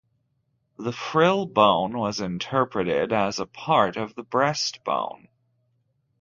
The frill bone was interpreted as a part of the breastbone.